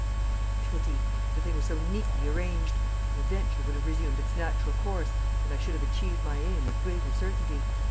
"What a pity! The thing was so neatly arranged! The adventure would have resumed its natural course, and I should have achieved my aim with greater certainty.